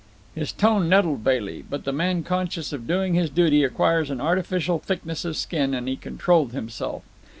His tone nettled Bailey, but the man conscious of doing his duty acquires an artificial thickness of skin, and he controlled himself.